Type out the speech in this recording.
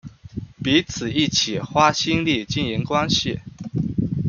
彼此一起花心力經營關係